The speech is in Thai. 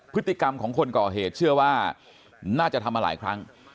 พฤติกรรมของคนก่อเหตุเชื่อว่าน่าจะทำมาหลายครั้ง